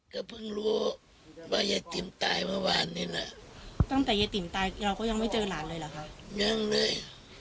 ก็เพิ่งรู้ว่ายายติ๋มตายเมื่อวานนี้นะตั้งแต่ยายติ๋มตายเราก็ยังไม่เจอหลานเลยเหรอคะยังเลย